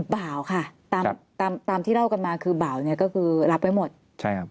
บ่าวค่ะตามตามที่เล่ากันมาคือบ่าวเนี้ยก็คือรับไว้หมดใช่ครับ